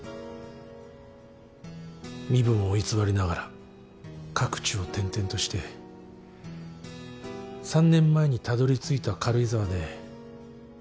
身分を偽りながら各地を転々として３年前にたどりついた軽井沢で。